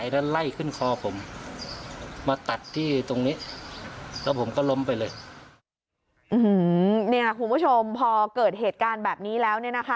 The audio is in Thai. คุณผู้ชมพอเกิดเหตุการณ์แบบนี้แล้ว